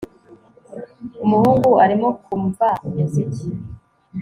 Umuhungu arimo kumva umuziki